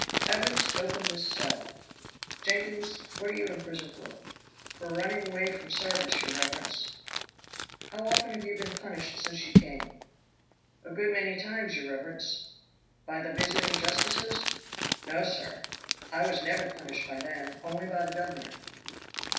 "Evans, open this cell. Jenkyns, what are you in prison for?" "For running away from sarvice, your reverence." "How often have you been punished since you came?" "A good many times, your reverence." "By the visiting justices?" "No, sir! I was never punished by them, only by the governor."